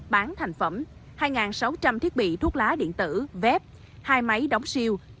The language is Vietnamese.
bán thành phẩm hai sáu trăm linh thiết bị thuốc lá điện tử vép hai máy đóng siêu